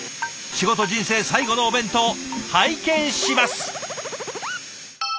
仕事人生最後のお弁当拝見します！